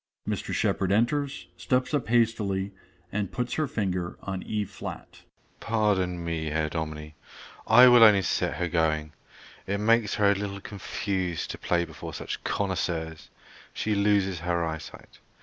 Mr. Shepard enters, steps up hastily, and puts her finger on e flat._) SHEPARD. Pardon me, Herr Dominie, I will only set her going: it makes her a little confused to play before such connoisseurs; she loses her eyesight.